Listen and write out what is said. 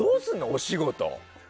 お仕事。